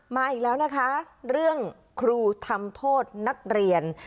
มาอีกแล้วนะคะเรื่องครูทำโทษนักเรียน